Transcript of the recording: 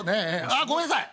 あっごめんなさい！